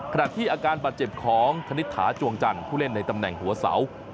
อาการที่อาการบาดเจ็บของคณิตถาจวงจันทร์ผู้เล่นในตำแหน่งหัวเสา